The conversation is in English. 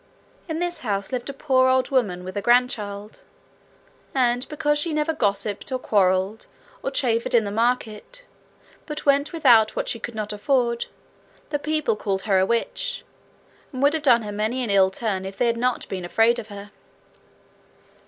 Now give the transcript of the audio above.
In this house lived a poor old woman, with a grandchild. And because she never gossiped or quarrelled, or chaffered in the market, but went without what she could not afford, the people called her a witch, and would have done her many an ill turn if they had not been afraid of her.